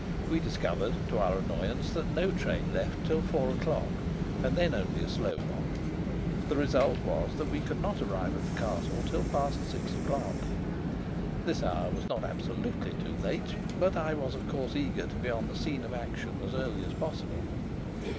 We discovered, to our annoyance, that no train left till four o'clock, and then only a slow one; the result was that we could not arrive at the castle till past six o'clock. This hour was not absolutely too late, but I was of course eager to be on the scene of action as early as possible.